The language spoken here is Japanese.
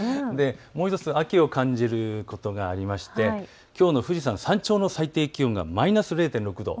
もう１つ秋を感じることがありまして、きょうの富士山山頂の最低気温がマイナス０．６度。